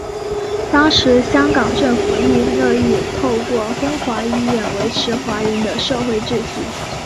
当时香港政府亦乐意透过东华医院维持华人的社会秩序。